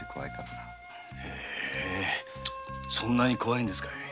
そんなに怖いんですかい？